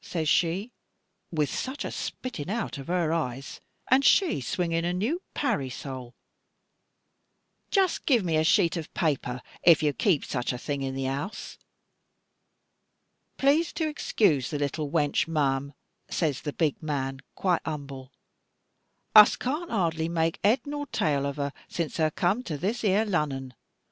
says she, with such a spitting out of her eyes, and she swinging a new parry sole. 'Just give me a sheet of papper, if you keep such a thing in the house.' 'Plase to excuse the little wanch, ma'am,' says the big man, quite humble, 'us can't hardly make head nor tail of her, since her come to this here Lunnon.